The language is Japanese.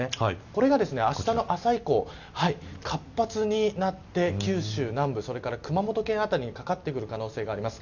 これがあしたの朝以降活発になって九州南部、熊本県辺りにかかってくる可能性があります。